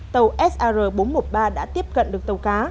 tàu sr bốn trăm một mươi ba đã tiếp cận được tàu cá